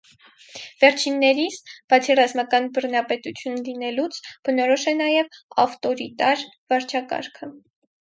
Վերջիններիս, բացի ռազմական բռնապետություն լինելուց, բնորոշ է նաև ավտորիտար վարչակարգը։